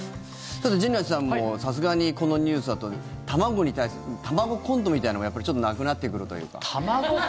さて、陣内さんもさすがにこのニュースだと卵に対する卵コントみたいなのもやっぱり、ちょっとなくなってくるというか。